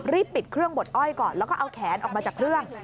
ปิดเครื่องบดอ้อยก่อนแล้วก็เอาแขนออกมาจากเครื่อง